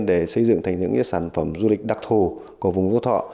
để xây dựng thành những sản phẩm du lịch đặc thù của vùng phú thọ